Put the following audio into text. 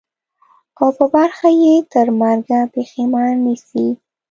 او په برخه یې ترمرګه پښېماني سي.